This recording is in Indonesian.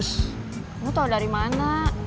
kamu tau dari mana